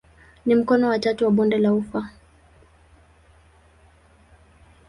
Ni mkono wa tatu wa bonde la ufa.